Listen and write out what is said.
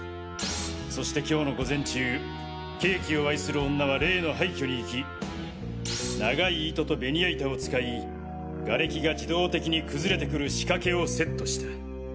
そして今日の午前中ケーキを愛する女は例の廃墟に行き長い糸とベニヤ板を使いガレキが自動的に崩れてくる仕掛けをセットした。